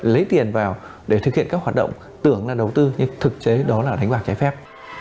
lấy tiền vào để thực hiện các hoạt động tưởng là đầu tư nhưng thực chế đó là đánh bạc trái phép